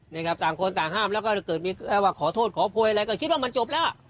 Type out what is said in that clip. นี่ครับต่างคนต่างห้ามแล้วก็เกิดมีว่าขอโทษขอโพยอะไรก็คิดว่ามันจบแล้ว